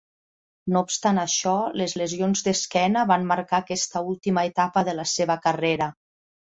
No obstant això, les lesions d'esquena van marcar aquesta última etapa de la seva carrera.